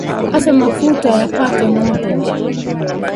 acha mafuta yapate moto